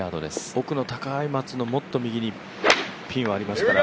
奥の高い松のもっと右にピンはありますから。